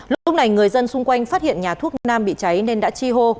lúc này người dân xung quanh phát hiện nhà thuốc nam bị cháy nên đã chi hô